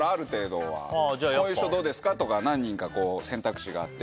こういう人どうですか？とか何人か選択肢があって。